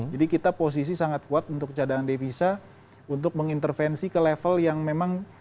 jadi kita posisi sangat kuat untuk cadangan devisa untuk mengintervensi ke level yang memang